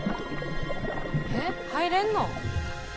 えっ入れるの？